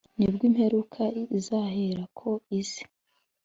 nibwo imperuka izaherako ize.